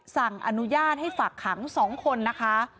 สั่งอนุญาตให้ฝากขัง๒คนนะคะ